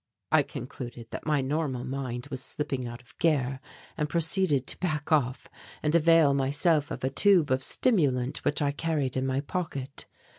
I concluded that my normal mind was slipping out of gear and proceeded to back off and avail myself of a tube of stimulant which I carried in my pocket.